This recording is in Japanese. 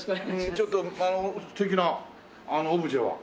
ちょっとあの素敵なあのオブジェは？